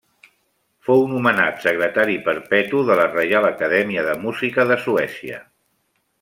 Fou nomenat secretari perpetu de la reial Acadèmia de Música, de Suècia.